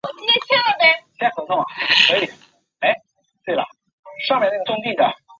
他的画风后被其子孙和弟子传承。